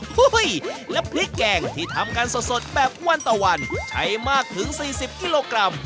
และพริกแกงที่ทำกันสดแบบวันต่อวันใช้มากถึง๔๐กิโลกรัม